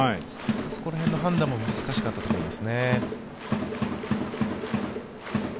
そこら辺の判断も難しかったと思います。